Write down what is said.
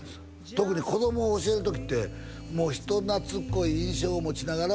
特に子供を教える時ってもう人懐っこい印象を持ちながらも」